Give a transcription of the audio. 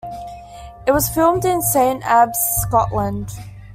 It was filmed in Saint Abbs, Scotland.